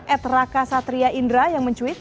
ed raka satria indra yang mencuit